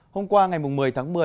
hôm qua ngày một mươi tháng một mươi